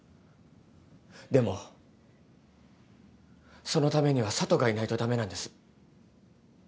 でもそのためには佐都がいないと駄目なんです。